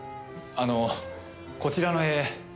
あのこちらの絵。